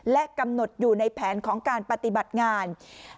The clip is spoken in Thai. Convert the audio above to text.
และกำหนดอยู่ในแผนของการปฏิบัติงาน